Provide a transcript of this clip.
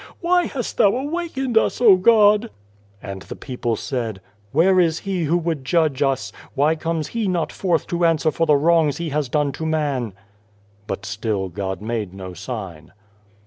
Why hast Thou awakened us, O God ?" And the people said :" Where is He who would judge us ? Why comes He not forth to answer for the wrongs He has done to man ?" 40 God and the Ant But still God made no sign.